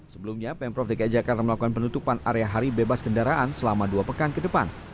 sebelumnya pemprov dki jakarta melakukan penutupan area hari bebas kendaraan selama dua pekan ke depan